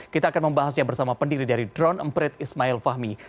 kita akan membahasnya bersama pendiri dari drone emprit ismail fahmi